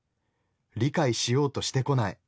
理解しようとしてこない。